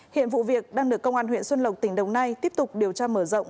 hiện vụ việc đang được công an huyện xuân lộc tỉnh đồng nai tiếp tục điều tra mở rộng